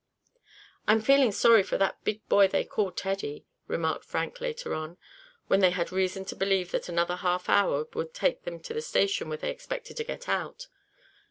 "I'm feeling sorry for that big boy they call Teddy," remarked Frank later on, when they had reason to believe that another half hour would take them to the station where they expected to get out.